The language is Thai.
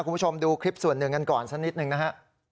คุณผู้ชมดูคลิปส่วนหนึ่งกันก่อนสักนิดหนึ่งนะฮะ